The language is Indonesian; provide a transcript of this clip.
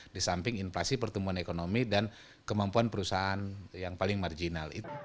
di samping inflasi pertumbuhan ekonomi dan kemampuan perusahaan yang paling marginal